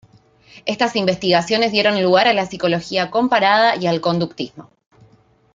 Estas investigaciones dieron lugar a la psicología comparada y al conductismo.